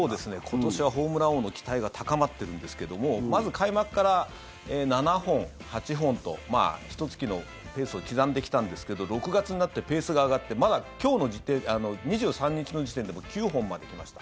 今年はホームラン王の期待が高まってるんですけどもまず開幕から７本、８本とひと月のペースを刻んできたんですけど６月になってペースが上がってまだ２３日の時点でもう９本まで来ました。